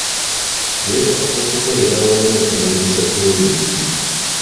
Betaaga okukolera awamu okumaliriza pulojekiti.